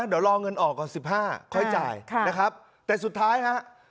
เดี๋ยวรอเงินออกก่อน๑๕ค่อยจ่ายนะครับแต่สุดท้ายฮะ